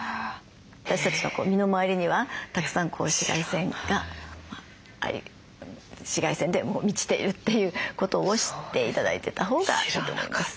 私たちの身の回りにはたくさん紫外線があり紫外線で満ちているということを知って頂いてたほうがいいと思います。